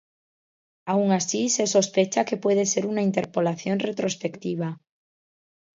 Aun así, se sospecha que puede ser una interpolación retrospectiva.